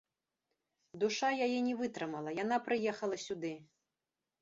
Душа яе не вытрымала, яна прыехала сюды.